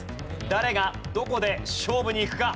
誰がどこで勝負にいくか。